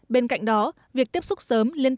bên cạnh đó việc tiếp xúc sớm liên tục